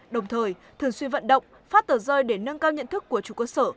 đồng thời thường xuyên vận động phát tờ rơi để nâng cao nhận thức của chủ cơ sở